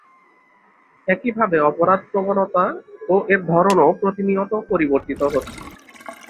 একইভাবে অপরাধ প্রবণতা ও এর ধরনও প্রতিনিয়ত পরিবর্তিত হচ্ছে।